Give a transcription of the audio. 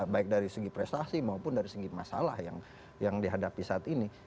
baik dari segi prestasi maupun dari segi masalah yang dihadapi saat ini